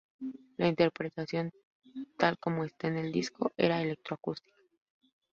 La interpretación, tal como está en el disco, era electroacústica.